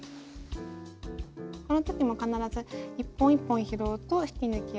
この時も必ず一本一本拾うと引き抜きやすいです。